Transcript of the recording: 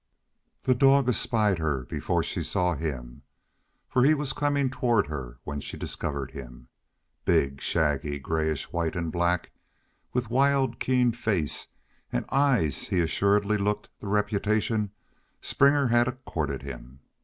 The dog espied her before she saw him, for he was coming toward her when she discovered him. Big, shaggy, grayish white and black, with wild, keen face and eyes he assuredly looked the reputation Springer had accorded him.